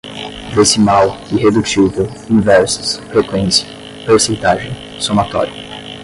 decimal, irredutível, inversas, frequência, percentagem, somatório